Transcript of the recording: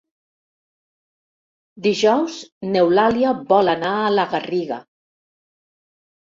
Dijous n'Eulàlia vol anar a la Garriga.